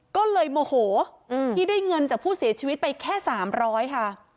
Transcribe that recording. ก็เลยโมโหที่ได้เงินจากผู้เสียชีวิตไปแค่๓๐๐ค่ะ